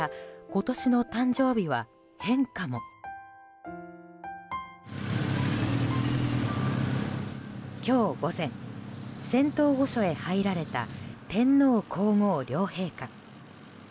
今日午前、仙洞御所へ入られた天皇・皇后両陛下。